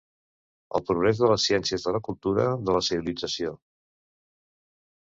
El progrés de les ciències, de la cultura, de la civilització.